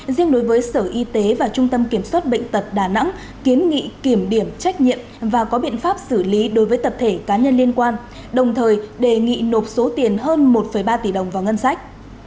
riêng đối với sở y tế và trung tâm kiểm soát bệnh tật đà nẵng kiến nghị kiểm điểm trách nhiệm và có biện pháp xử lý đối với tập thể cá nhân liên quan đồng thời đề nghị nộp số tiền hơn một ba tỷ đồng vào ngân sách